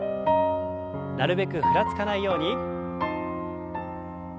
なるべくふらつかないように。